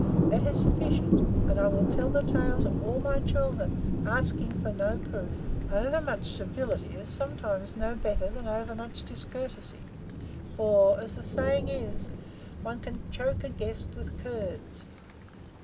That is sufficient, and I will tell the tale to all my children, asking for no proof." "Over much civility is sometimes no better than over much discourtesy, for, as the saying is, one can choke a guest with curds.